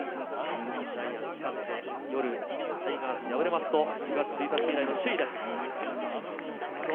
ジャイアンツが勝って、夜タイガースが敗れると４月１日以来の首位です。